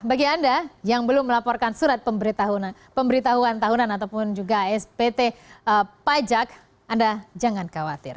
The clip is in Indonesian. bagi anda yang belum melaporkan surat pemberitahuan tahunan ataupun juga spt pajak anda jangan khawatir